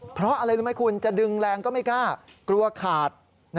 เพราะอะไรรู้ไหมคุณจะดึงแรงก็ไม่กล้ากลัวขาด